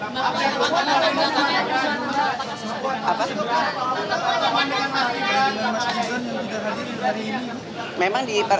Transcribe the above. apa yang anda inginkan